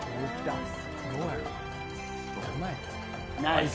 ナイス。